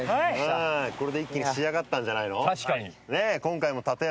これで一気に仕上がったんじゃないの？